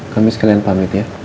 kami sekalian pamit ya